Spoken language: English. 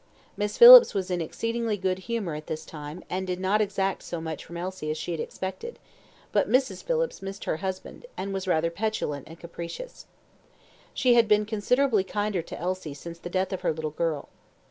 Miss Phillips was in exceedingly good humour at this time, and did not exact so much from Elsie as she had expected; but Mrs. Phillips missed her husband, and was rather petulant and capricious. She had been considerably kinder to Elsie since the death of her little girl.